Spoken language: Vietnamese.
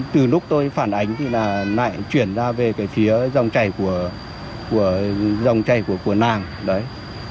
từ lúc tôi phản ánh thì là lại chuyển ra về cái phía dòng chảy của dòng chảy của nàng đấy